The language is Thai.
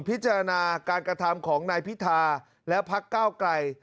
พิจารณาการกระทำของนายพิธาและพักเก้าไกล